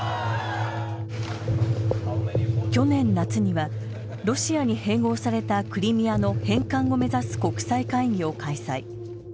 去年夏にはロシアに併合されたクリミアの返還を目指す国際会議を開催。